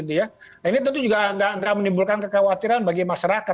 ini tentu juga tidak menimbulkan kekhawatiran bagi masyarakat